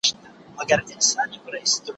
چي په لاندنيو بېلګو کي يې موږ ته د پښتو يې ګانو